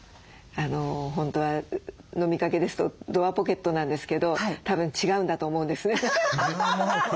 本当は飲みかけですとドアポケットなんですけどたぶん違うんだと思うんですね。